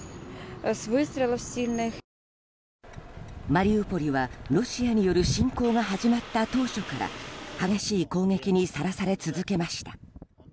マリウポリは、ロシアによる侵攻が始まった当初から激しい攻撃にさらされ続けました。